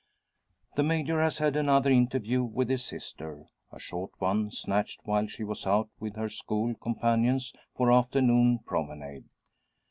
The Major has had another interview with his sister a short one, snatched while she was out with her school companions for afternoon promenade.